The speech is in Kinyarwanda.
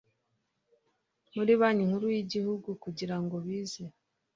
muri banki nkuru y igihugu kugira ngo bize